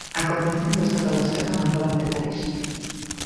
A concepción do Estado da esquerda non pode aceptar iso.